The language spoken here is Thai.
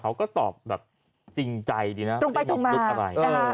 เขาก็ตอบแบบจริงใจดีนะไม่ได้หยอกรุดอะไรตรงไปตรงมานะฮะ